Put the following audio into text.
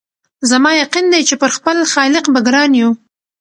زما یقین دی چي پر خپل خالق به ګران یو